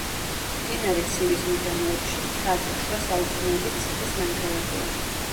მდინარე ცივის მიდამოებში, მთაზე, შუა საუკუნეების ციხის ნანგრევებია.